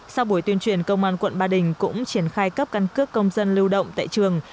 sau buổi tuyên truyền công an quận ba đình cũng triển khai cấp căn cước công dân lưu động tại trường